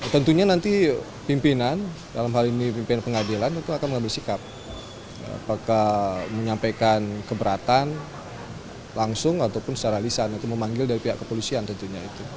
tentunya nanti pimpinan pengadilan akan mengambil sikap apakah menyampaikan keberatan langsung ataupun secara lisan itu memanggil dari pihak kepolusian tentunya